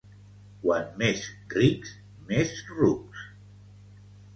Quan més rics més rucs